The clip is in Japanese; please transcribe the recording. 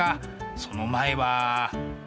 その前は。